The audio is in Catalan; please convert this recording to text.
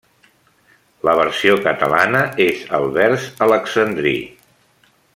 La versió catalana és el vers alexandrí.